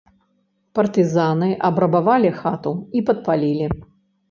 Партызаны абрабавалі хату і падпалілі.